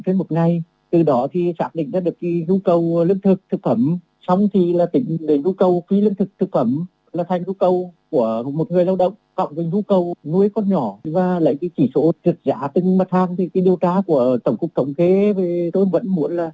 dù cầu phí lương thực thực phẩm là thành dù cầu của một người lao động còn dù cầu nuôi con nhỏ và lại chỉ số trượt giá từng mặt hàng thì điều tra của tổng cục tổng kế về tôi vẫn muốn là